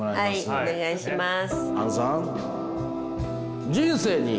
お願いします。